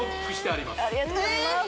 ・ありがとうございます